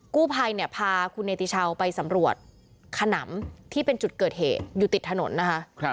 กู้ภัยเนี่ยพาคุณเนติชาวไปสำรวจขนำที่เป็นจุดเกิดเหตุอยู่ติดถนนนะคะ